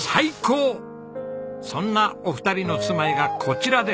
そんなお二人の住まいがこちらです。